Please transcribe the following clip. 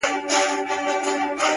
• ویل خلاص مي کړې له غمه انعام څه دی,